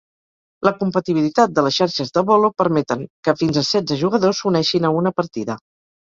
La compatibilitat de les xarxes de "Bolo" permeten que fins a setze jugadors s'uneixin a una partida.